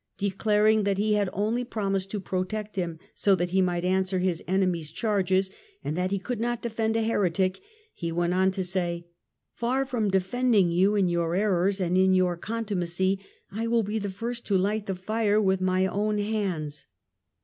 De claring that he had only promised to protect him so that he might answer his enemies' charges, and that he could not defend a heretic, he went on to say :" Far from defending you in your errors and in your contu macy, I will be the first to Hght the fire with my own hands